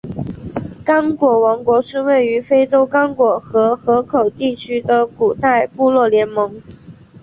刚果王国是位于非洲刚果河河口地区的古代部落联盟。